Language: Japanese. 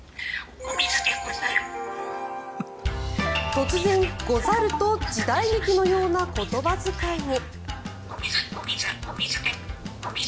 突然、「ござる」と時代劇のような言葉遣いに。